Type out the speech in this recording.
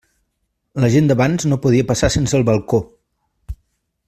La gent d'abans no podia passar sense el balcó.